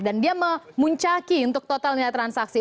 dan dia memuncaki untuk totalnya transaksi